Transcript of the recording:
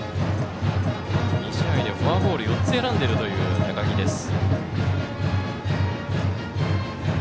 ２試合でフォアボールを４つ選んでいる高木です。